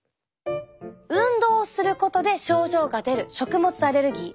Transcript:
運動することで症状が出る食物アレルギー。